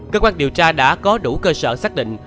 cơ quan điều tra đã có đủ cơ sở xác định